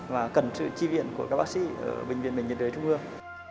và cần sự tri viện của các bác sĩ ở bệnh viện bệnh nhiệt đới trung ương